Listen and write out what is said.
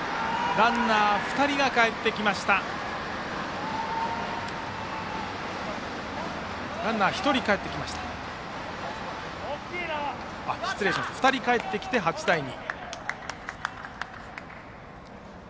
ランナー２人かえってきて８対２。